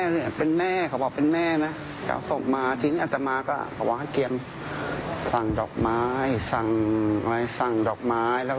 จึงคิดว่าน่าจะถูกหลอกและอยากจะเตือนเป็นอุทหรณ์ไปยังวัดอื่นด้วยครับ